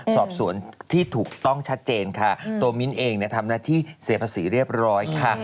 สอบสวนที่ถูกต้องชัดเจนค่ะตัวมิ้นเองทำหน้าที่เสียภาษีเรียบร้อยค่ะ